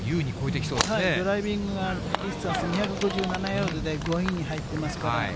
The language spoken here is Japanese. ドライビングがディスタンスで、２５７ヤードで５位に入ってますから。